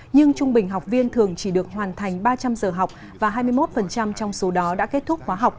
nhưng trung bình học viên thường chỉ được hoàn thành ba trăm linh giờ học và hai mươi một trong số đó đã kết thúc khóa học